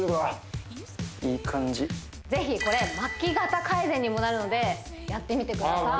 ぜひこれ巻き肩改善にもなるのでやってみてください